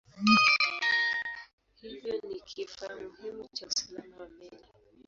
Hivyo ni kifaa muhimu cha usalama wa meli.